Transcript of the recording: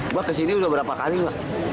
mbak kesini udah berapa kali lah